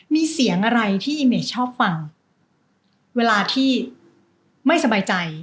มีเสียงอะไรที่อีเมย์ชอบฟังเวลาที่ไม่สบายใจ